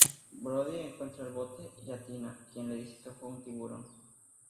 Brody encuentra el bote y a Tina, quien le dice que fue un tiburón.